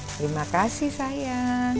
terima kasih sayang